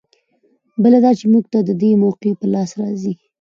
بله دا چې موږ ته د دې موقعې په لاس راځي.